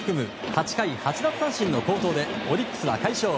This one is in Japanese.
８回８奪三振の好投でオリックスは快勝。